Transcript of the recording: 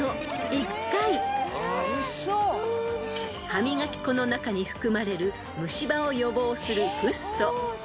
［歯磨き粉の中に含まれる虫歯を予防する］